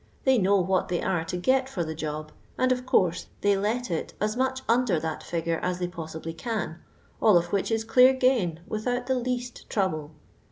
They know what they are to get for the job, and of course they let it as much under that figure as they possibly can, all of which is cle.ir gain without the least trouble.